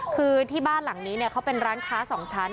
คือที่บ้านหลังนี้เขาเป็นร้านค้า๒ชั้น